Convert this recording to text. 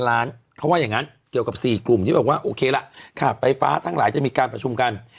เขาว่าอย่างนั้นเกี่ยวกับ๔กลุ่มที่บอกว่าโอเคละขาดไฟฟ้าทั้งหลายจะมีการประชุมกัน